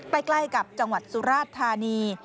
ใกล้กับจังหวัดสุราชธานี